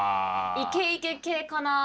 イケイケ系かな。